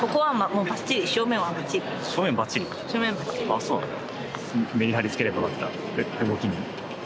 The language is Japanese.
あっそうなんだ。